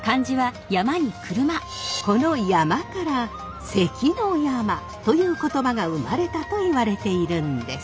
この山車から「関の山」という言葉が生まれたといわれているんです。